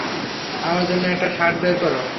আমার জন্য একটা শার্ট বের করো।